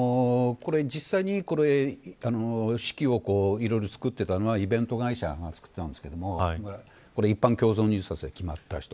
実際に、これ式をいろいろ作っていたのはイベント会社だったんですけど一般共同入札で決まった人。